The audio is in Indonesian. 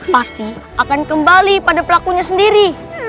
pasti akan kembali pada pelakunya sendiri